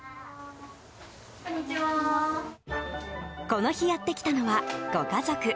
この日やってきたのはご家族。